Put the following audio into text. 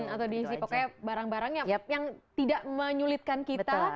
atau diisi pokoknya barang barang yang tidak menyulitkan kita